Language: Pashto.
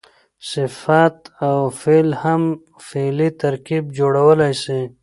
صفت او فعل هم فعلي ترکیب جوړولای سي.